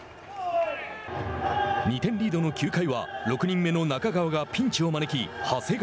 ２点リードの９回は６人目の中川がピンチを招き長谷川。